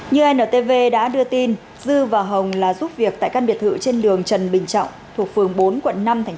như ntv đã đưa tin dư và hồng là giúp việc tại căn biệt thự trên đường trần bình trọng